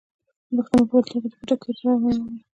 د پښتنو په کلتور کې د پټکي تړل هنر دی.